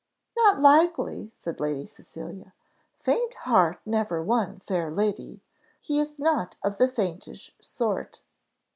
"Not likely," said Lady Cecilia; "faint heart never won fair lady. He is not of the faintish sort."